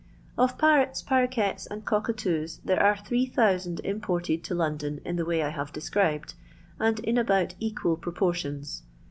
Of parrots, paroquets, and cockatoos, there are 3000 imported to London in the way I have de scribed, and in about equal proportions.